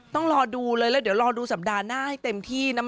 ต้องรอดูเลยแล้วเดี๋ยวรอดูสัปดาห์หน้าให้เต็มที่นะ